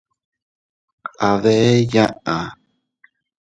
Aa bee yaa.